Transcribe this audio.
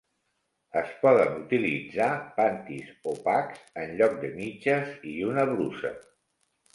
Es poden utilitzar pantis opacs en lloc de mitges i una brusa.